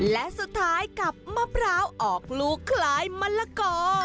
และสุดท้ายกับมะพร้าวออกลูกคล้ายมะละกอ